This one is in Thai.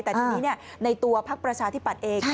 แต่ทีนี้ในตัวพักประชาธิปัตย์เอง